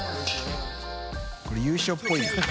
海優勝っぽいな。